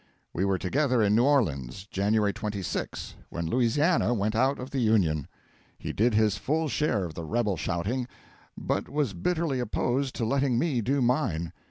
We were together in New Orleans, January 26, when Louisiana went out of the Union. He did his full share of the rebel shouting, but was bitterly opposed to letting me do mine.